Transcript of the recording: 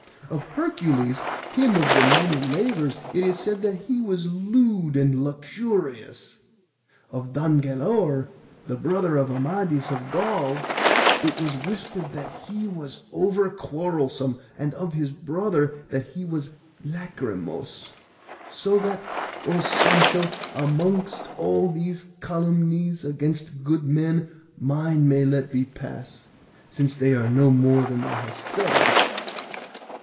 Of Hercules, him of the many labours, it is said that he was lewd and luxurious. Of Don Galaor, the brother of Amadis of Gaul, it was whispered that he was over quarrelsome, and of his brother that he was lachrymose. So that, O Sancho, amongst all these calumnies against good men, mine may be let pass, since they are no more than thou hast said."